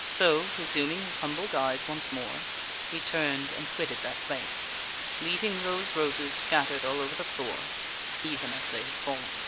So resuming his humble guise once more, he turned and quitted that place, leaving those roses scattered all over the floor even as they had fallen.